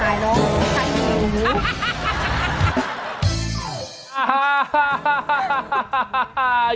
ใครเอย